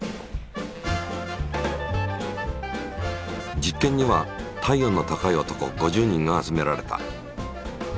実験には体温の高い男５０人が集められた。